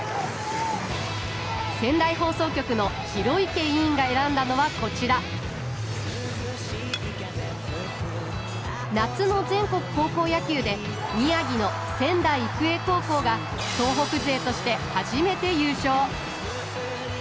仙台放送局の広池委員が選んだのはこちら夏の全国高校野球で宮城の仙台育英高校が東北勢として初めて優勝